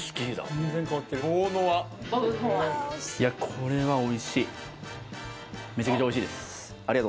これはおいしい。